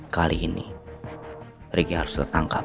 kali ini ricky harus tertangkap